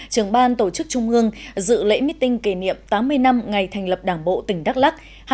trường ban tổ chức trung ương dự lễ meeting kỷ niệm tám mươi năm ngày thành lập đảng bộ tỉnh đắk lắc